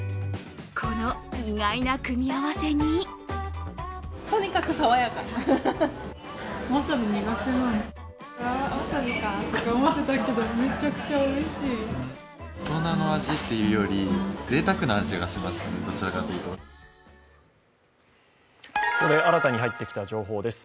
この意外な組み合わせにここで新たに入ってきた情報です。